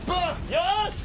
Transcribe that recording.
よし！